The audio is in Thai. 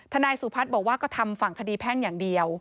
นายสุพัฒน์บอกว่าก็ทำฝั่งคดีแพ่งอย่างเดียว